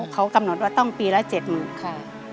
เขากำหนดว่าต้องปีละ๗๐๐๐ค่ะ